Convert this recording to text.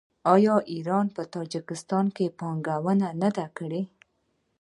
آیا ایران په تاجکستان کې پانګونه نه ده کړې؟